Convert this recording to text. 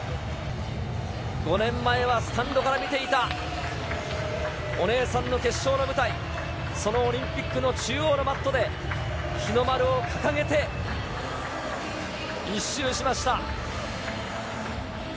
５年前はスタンドから見ていたお姉さんの決勝の舞台、そのオリンピックの中央のマットで、日の丸を掲げて、一周しました。